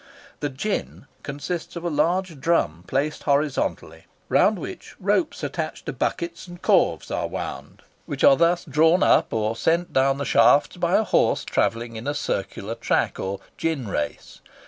The gin consists of a large drum placed horizontally, round which ropes attached to buckets and corves are wound, which are thus drawn up or sent down the shafts by a horse travelling in a circular track or "gin race."